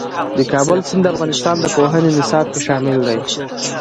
د کابل سیند د افغانستان د پوهنې نصاب کې شامل دی.